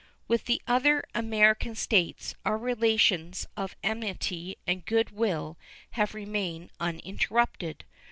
With the other American States our relations of amity and good will have remained uninterrupted.